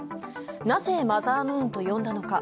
なぜマザームーンと呼んだのか。